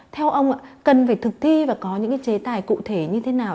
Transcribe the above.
theo ông cần phải thực thi và có những chế tài cụ thể như thế nào